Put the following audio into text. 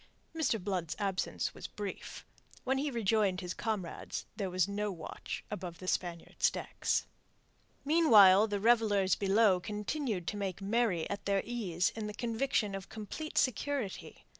Mr. Blood's absence was brief. When he rejoined his comrades there was no watch above the Spaniards' decks. Meanwhile the revellers below continued to make merry at their ease in the conviction of complete security.